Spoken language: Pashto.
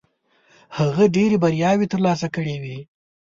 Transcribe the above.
هغه ډېرې بریاوې ترلاسه کړې وې.